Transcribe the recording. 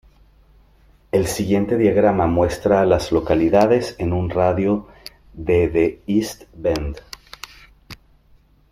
El siguiente diagrama muestra a las localidades en un radio de de East Bend.